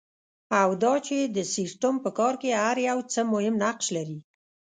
او دا چې د سیسټم په کار کې هر یو څه مهم نقش لري.